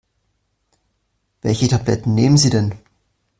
Welche Tabletten nehmen Sie denn?